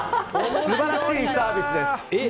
素晴らしいサービスです。